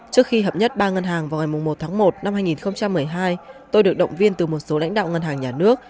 trước khi hợp nhất ba ngân hàng vào ngày một tháng một năm hai nghìn một mươi hai tôi được động viên từ một số lãnh đạo ngân hàng nhà nước